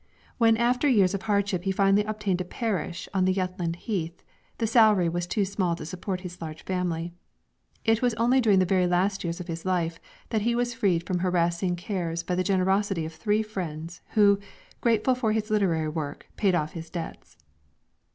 When after years of hardship he finally obtained a parish on the Jutland heath, the salary was too small to support his large family. It was only during the very last years of his life that he was freed from harassing cares by the generosity of three friends, who, grateful for his literary work, paid off his debts.